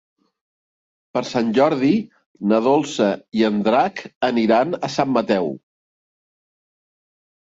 Per Sant Jordi na Dolça i en Drac aniran a Sant Mateu.